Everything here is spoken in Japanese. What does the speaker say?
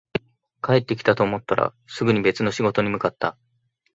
帰ってきたと思ったら、すぐに別の仕事に向かった